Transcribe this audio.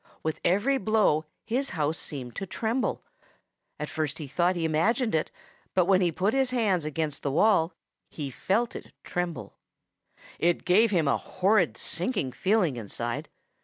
With every blow his house seemed to tremble. At first he thought he imagined it, but when he put his hands against the wall, he felt it tremble. It gave him a horrid sinking feeling inside.